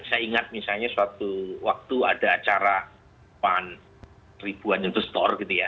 saya ingat misalnya suatu waktu ada acara ribuan investor gitu ya